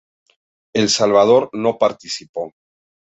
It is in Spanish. El Salvador no participó.